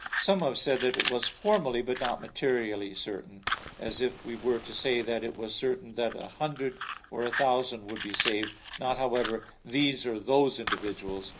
Some have said that it was formally, but not materially certain; as if we were to say that it was certain that a hundred or a thousand would be saved; not however these or those individuals.